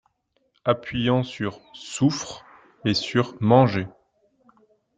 Appuyant sur "souffres" et sur "manger".